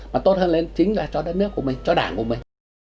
mà tốt hơn lên chính là cho đất nước của mình cho đảng của mình